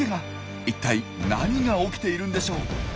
いったい何が起きているんでしょう？